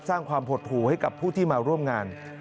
สร้างความหดหูให้กับผู้ที่มาร่วมงาน